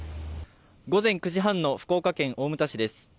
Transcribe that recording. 午前９時半の福岡県大牟田市です